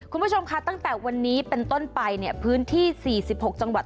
คุณผู้ชมค่ะตั้งแต่วันนี้เป็นต้นไปเนี่ยพื้นที่๔๖จังหวัด